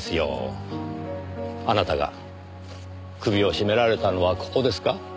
あなたが首を絞められたのはここですか？